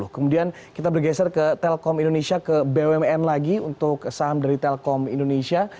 kemudian kita bergeser ke telkom indonesia ke bumn lagi untuk saham dari telkom indonesia